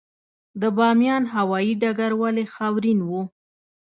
د بامیان هوايي ډګر ولې خاورین و؟